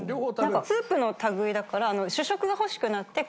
なんかスープの類いだから。